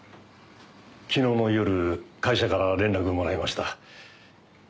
昨日の夜会社から連絡もらいました。